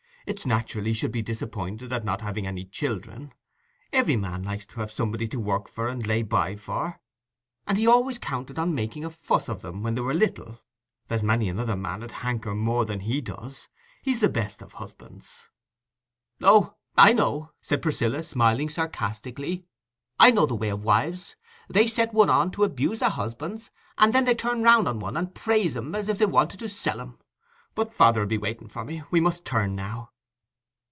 It's natural he should be disappointed at not having any children: every man likes to have somebody to work for and lay by for, and he always counted so on making a fuss with 'em when they were little. There's many another man 'ud hanker more than he does. He's the best of husbands." "Oh, I know," said Priscilla, smiling sarcastically, "I know the way o' wives; they set one on to abuse their husbands, and then they turn round on one and praise 'em as if they wanted to sell 'em. But father'll be waiting for me; we must turn now."